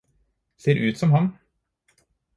Ser ut som ham